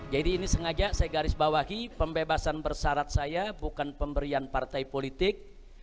jadi ini sengaja saya garis bawahi pembebasan bersarat saya bukan pemberian partai politik